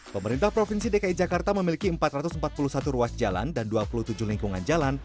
pemerintah provinsi dki jakarta memiliki empat ratus empat puluh satu ruas jalan dan dua puluh tujuh lingkungan jalan